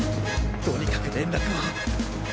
とにかく連絡を。